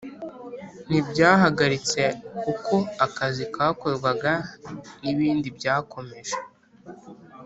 Ntibyahagaritse uko akazi kakorwaga n’ibindi byakomeje